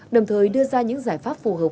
đồng thời đưa ra những giải pháp phù hợp